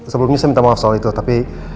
sebelumnya saya minta maaf soal itu tapi